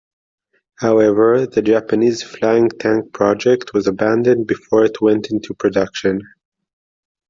However, the Japanese Flying Tank project was abandoned before it went into production.